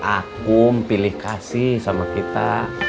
akum pilih kasih sama kita